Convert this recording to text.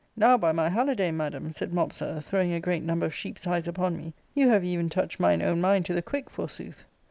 *Now, by my hallidame, madam,' said Mopsa, throwing a great number of sheep's eyes upon me, ^'fo^ have even touched mine own mind to the quick, forsooth.'